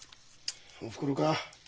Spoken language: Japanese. おふくろか？